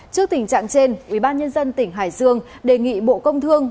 trước tình trạng trên ubnd tỉnh hải dương đề nghị bộ công thương